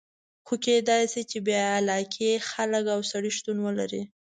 خو کېدای شي چې بې علاقې خلک او سړي شتون ولري.